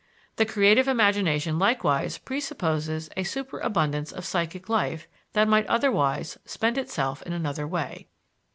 The creative imagination likewise presupposes a superabundance of psychic life that might otherwise spend itself in another way.